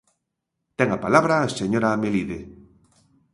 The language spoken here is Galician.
Ten a palabra a señora Melide.